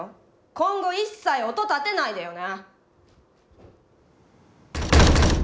今後一切音立てないでよね！